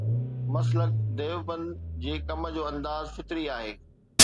مسلڪ ديوبند جي ڪم جو انداز فطري آهي.